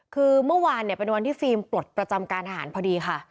คือเมื่อวานเนี่ยเป็นวันที่ฟิล์มปลดประจำการทหารพอดีค่ะ